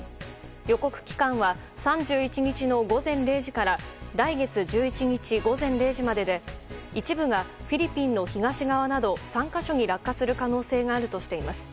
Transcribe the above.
予告期間は３１日の午前０時から来月１１日午前０時までで一部がフィリピンの東側など３か所に落下する可能性があるとしています。